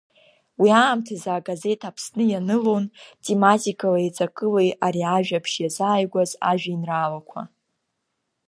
Уи аамҭазы агазеҭ Аԥсны ианылон тематикалеи ҵакылеи ари ажәабжь иазааигәаз ажәеинраалақәа.